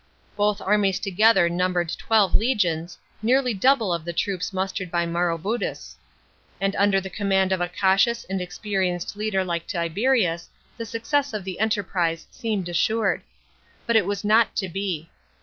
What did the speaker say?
Both armies together numbered twelve legions, nearly double of the troops mustered by Maroboduus ; and under the command of a cautious and experienced leader like Tiberius the success of the enterprise seemed assured. But it was not to be.